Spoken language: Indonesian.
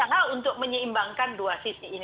dan kita berusaha untuk menyeimbangkan dua sisi ini